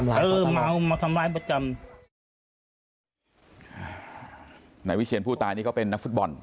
หนายวิเชียนผู้ตายนี่ก็เป็นนักฟุตบอล